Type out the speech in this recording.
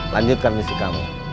lanjutkan misi kamu